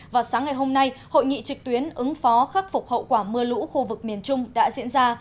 vào sáng ngày hôm nay hội nghị trực tuyến ứng phó khắc phục hậu quả mưa lũ khu vực miền trung đã diễn ra